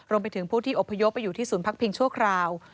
รวมไปถึงผู้ที่อบพยพไปอยู่ที่ศูนย์พักพิงชั่วคราว